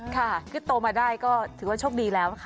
คือโตมาได้ก็ถือว่าช่วงดีแล้วค่ะ